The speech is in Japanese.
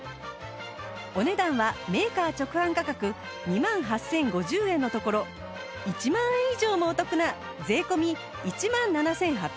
お値段はメーカー直販価格２万８０５０円のところ１万円以上もお得な税込１万７８００円！